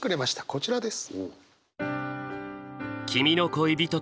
こちらです。